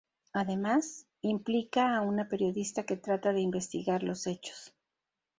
Además, implica a una periodista que trata de investigar los hechos.